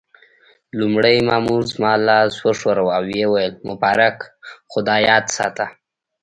لومړي مامور زما لاس وښوراوه او ويې ویل: مبارک، خو دا یاد ساته.